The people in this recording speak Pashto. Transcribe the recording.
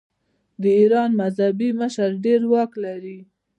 د ایران مذهبي مشر ډیر واک لري.